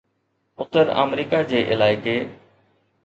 Uttar America جي علائقي